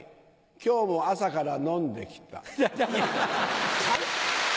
今日も朝から飲んできた。